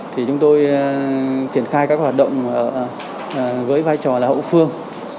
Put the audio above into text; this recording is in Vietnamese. thì chúng tôi triển khai các hoạt động với vai trò là hậu phương